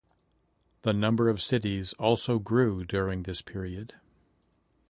The number of cities also grew during this period.